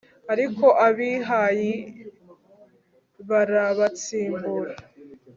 ariko ab'i hayi barabatsimbura